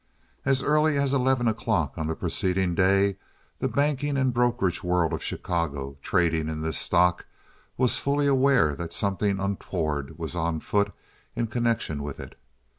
As early as eleven o'clock of the preceding day the banking and brokerage world of Chicago, trading in this stock, was fully aware that something untoward was on foot in connection with it.